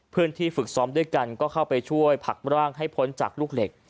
เพื่อนที่ฝึกซ้อมด้วยกันก็เข้าไปช่วยผลักร่างให้พ้นจากลูกเหล็ก